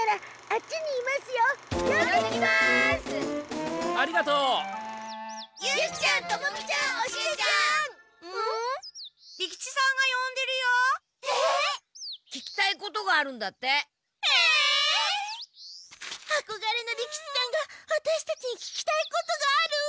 あこがれの利吉さんがワタシたちにききたいことがある？